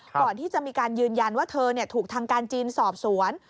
ก่อนที่จะมีการยืนยันว่าเธอถูกทางการจีนสอบสวน